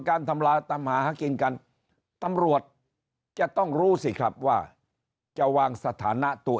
ทำลายตามหากินกันตำรวจจะต้องรู้สิครับว่าจะวางสถานะตัว